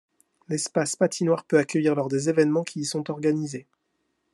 L'espace patinoire peut accueillir lors des évènements qui y sont organisés.